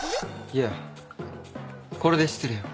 いやこれで失礼を。